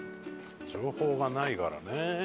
情報がないからね。